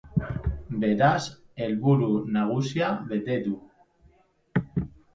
Beraz, helburu nagusia bete du.